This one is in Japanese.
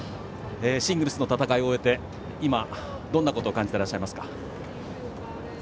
シングルスの戦いを終えて今、どんなことを感じてらっしゃいますか？